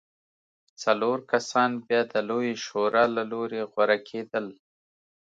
څلور کسان بیا د لویې شورا له لارې غوره کېدل